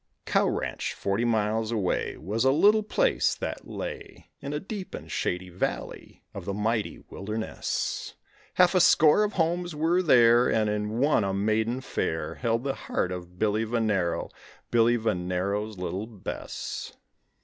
Cow Ranch, forty miles away, Was a little place that lay In a deep and shady valley of the mighty wilderness; Half a score of homes were there, And in one a maiden fair Held the heart of Billy Venero, Billy Venero's little Bess.